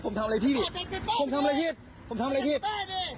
ผมทำอะไรพี่ผมทำอะไรพี่ผมทำอะไรพี่